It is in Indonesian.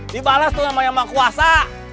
dibalas tuh sama yang maha kuasa